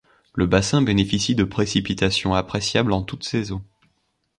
Le bassin bénéficie de précipitations appréciables en toutes saisons.